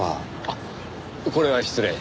あっこれは失礼。